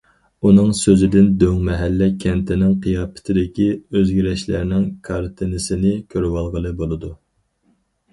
ئۇنىڭ سۆزىدىن دۆڭمەھەللە كەنتىنىڭ قىياپىتىدىكى ئۆزگىرىشلەرنىڭ كارتىنىسىنى كۆرۈۋالغىلى بولىدۇ.